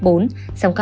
quần đảo trường sa